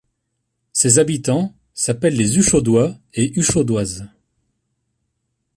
Ses habitants s'appellent les Uchaudois et Uchaudoises.